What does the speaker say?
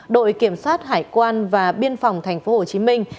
đội kiểm soát hải quan và biên phòng thành phố hồ chí minh